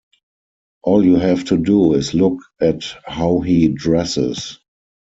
All you have to do is look at how he dresses.